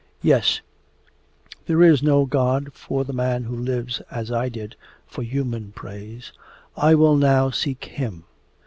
Yes, there is no God for the man who lives, as I did, for human praise. I will now seek Him!